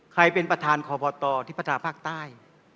ใครเป็นประธานขอพอตอที่ประธานภาคใต้